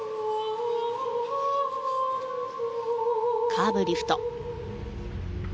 カーブリフト。